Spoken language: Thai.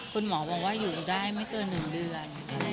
คุณหมอบอกว่าอยู่ได้ไม่เกิน๑เดือน